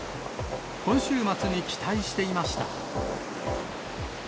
今週末に期待していました。